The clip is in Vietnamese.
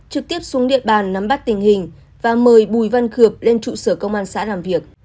trực tiếp xuống địa bàn nắm bắt tình hình và mời bùi văn khược lên trụ sở công an xã